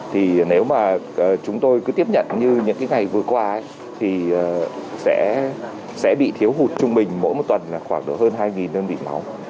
thì nếu mà chúng tôi cứ tiếp nhận như những ngày vừa qua thì sẽ bị thiếu hụt trung bình mỗi một tuần là khoảng độ hơn hai đơn vị máu